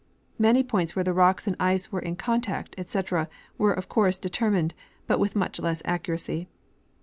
Many points where the rocks and ice were in contact, etc, were, of course, determined, but with much less accuracy.